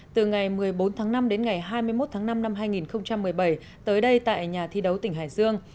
từ ngày một mươi bốn tháng năm đến ngày hai mươi một tháng năm năm hai nghìn một mươi bảy tới đây tại nhà thi đấu tỉnh hải dương